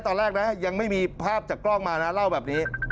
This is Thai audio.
ตอนแรกนะยังไม่มีภาพจากกล้องมานะเล่าแบบนี้